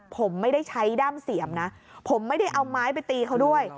ผมไม่ได้ใช้ด้ามเสียมนะผมไม่ได้เอาไม้ไปตีเขาด้วย